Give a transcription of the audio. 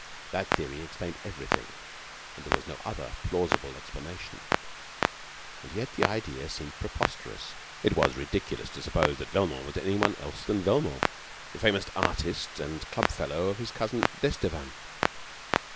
That theory explained everything, and there was no other plausible explanation. And yet the idea seemed preposterous. It was ridiculous to suppose that Velmont was anyone else than Velmont, the famous artist, and club fellow of his cousin d'Estevan.